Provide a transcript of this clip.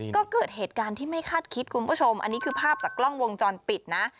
ก็เกิดเหตุการณ์ที่ไม่คาดคิดคุณผู้ชมอันนี้คือภาพจากกล้องวงจรปิดนะ